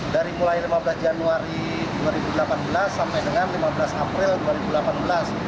dari mulai lima belas januari dua ribu delapan belas sampai dengan lima belas april dua ribu delapan belas